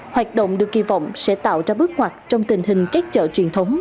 hoạt động được kỳ vọng sẽ tạo ra bước ngoặt trong tình hình các chợ truyền thống